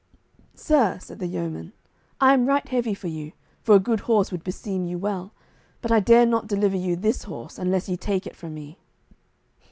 "Sir," said the yeoman, "I am right heavy for you, for a good horse would beseem you well, but I dare not deliver you this horse unless ye take it from me."